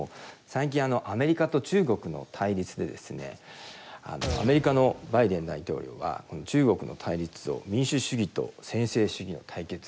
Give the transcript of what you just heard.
最近アメリカと中国の対立でですねアメリカのバイデン大統領はこの中国の対立を「民主主義と専制主義の対決。